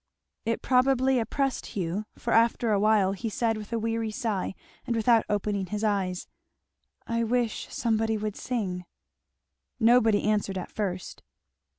It probably oppressed Hugh, for after a while he said with a weary sigh and without opening his eyes, "I wish somebody would sing." Nobody answered at first.